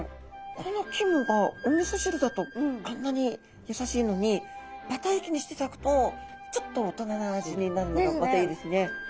この肝がおみそ汁だとあんなに優しいのにバター焼きにしていただくとちょっと大人な味になるのがまたいいですね。